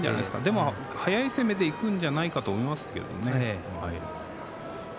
でも速い攻めでいくんじゃないかと思いますけれどもね。